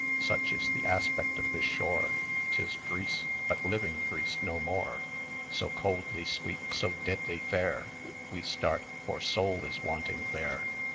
Such is the aspect of this shore; 90 'Tis Greece, but living Greece no more! So coldly sweet, so deadly fair, We start, for Soul is wanting there.